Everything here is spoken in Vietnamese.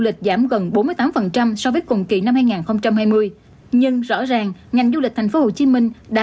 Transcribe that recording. lịch giảm gần bốn mươi tám so với cùng kỳ năm hai nghìn hai mươi nhưng rõ ràng ngành du lịch thành phố hồ chí minh đã